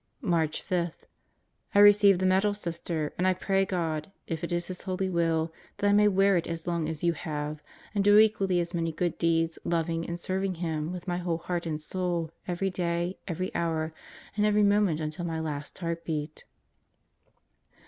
March 5: I received the medal, Sister, and I pray^God, if it is His holy will, that I may wear it as long as you have, and do equally as many good deeds, loving and serving Him with my whole heart and soul every day, every hour, and every moment until my last heart beat.